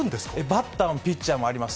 バッターもピッチャーもあります。